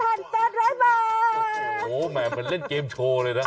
โอ้โหแหม่เหมือนเล่นเกมโชว์เลยนะ